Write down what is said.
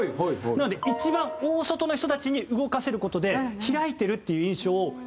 なので一番大外の人たちに動かせる事で開いてるっていう印象を。